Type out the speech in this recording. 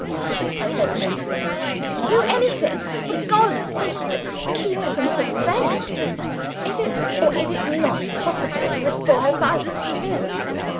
I said sharply. "Do anything, for God's sake, but keep us in suspense. Is it, or is it not, possible to restore her sight?"